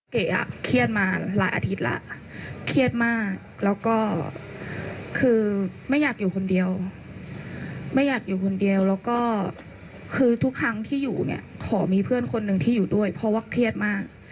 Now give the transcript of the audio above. เครียดมาหลายอาทิตย์แล้วเครียดมากแล้วก็คือไม่อยากอยู่คนเดียวไม่อยากอยู่คนเดียวแล้วก็คือทุกครั้งที่อยู่เนี่ยขอมีเพื่อนคนหนึ่งที่อยู่ด้วยเพราะว่าเครียดมาก